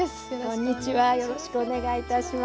こんにちはよろしくお願いいたします。